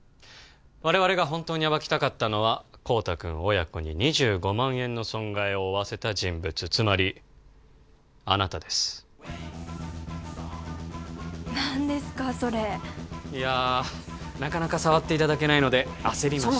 我々が本当に暴きたかったのは孝多君親子に２５万円の損害を負わせた人物つまりあなたです何ですかそれいやなかなか触っていただけないので焦りました